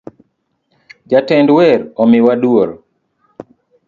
Jatend wer omiwa duol